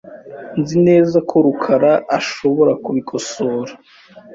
Nzi neza ko rukara ashobora kubikosora .